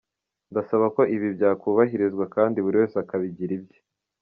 Ndasaba ko ibi byakubahirizwa kandi buri wese akabigira ibye.